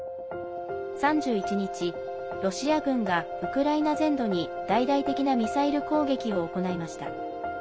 ３１日、ロシア軍がウクライナ全土に大々的なミサイル攻撃を行いました。